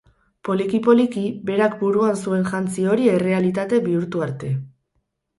Poliki-poliki, berak buruan zuen jantzi hori errealitate bihurtu arte.